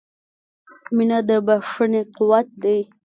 • مینه د بښنې قوت دی.